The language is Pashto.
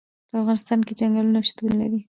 په افغانستان کې چنګلونه شتون لري.